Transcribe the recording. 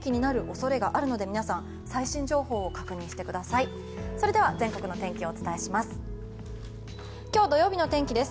それでは、全国の天気をお伝えします。